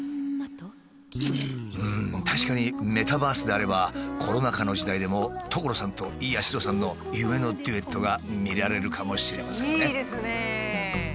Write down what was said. うん確かにメタバースであればコロナ禍の時代でも所さんと八代さんの夢のデュエットが見られるかもしれませんね。